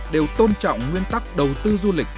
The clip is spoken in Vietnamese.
đều tôn trọng nguyên tắc đầu tư du lịch